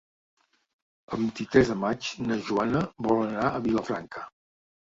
El vint-i-tres de maig na Joana vol anar a Vilafranca.